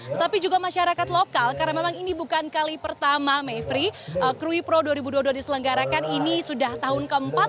tetapi juga masyarakat lokal karena memang ini bukan kali pertama mayfrey krui pro dua ribu dua puluh dua diselenggarakan ini sudah tahun keempat